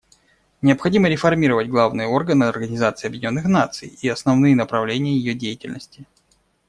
Необходимо реформировать главные органы Организации Объединенных Наций и основные направления ее деятельности.